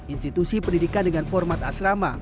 institusi pendidikan dengan format asrama